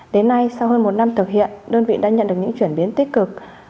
đến nay sau hơn một năm thực hiện đơn vị đã nhận được những chuyển biến tích cực